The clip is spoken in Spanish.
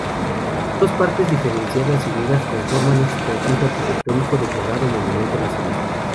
Dos partes diferenciadas y unidas conforman este conjunto arquitectónico declarado Monumento Nacional.